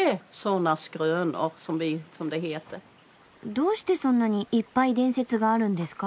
どうしてそんなにいっぱい伝説があるんですか？